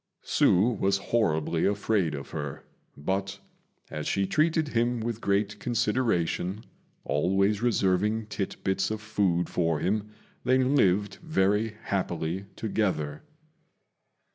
Hsü was horribly afraid of her; but, as she treated him with great consideration, always reserving tit bits of food for him, they lived very happily together.